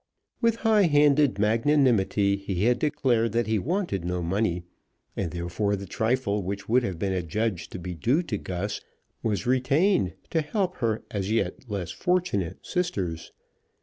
With high handed magnanimity he had declared that he wanted no money, and therefore the trifle which would have been adjudged to be due to Gus was retained to help her as yet less fortunate sisters.